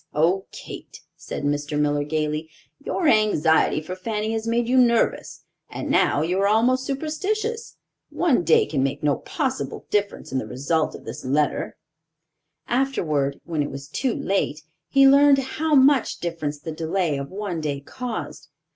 "Oh, Kate," said Mr. Miller, gayly, "your anxiety for Fanny has made you nervous, and now you are almost superstitious. One day can make no possible difference in the result of this letter." Afterward, when it was too late, he learned how much difference the delay of one day caused.